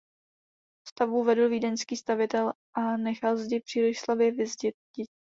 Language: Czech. Stavbu vedl vídeňský stavitel a nechal zdi příliš slabě vyzditi.